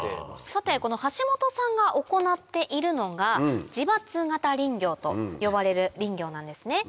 さて橋本さんが行っているのが自伐型林業と呼ばれる林業なんですね。